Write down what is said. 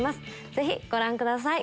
ぜひご覧ください。